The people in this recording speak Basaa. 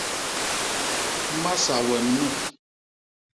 Masa wem nu!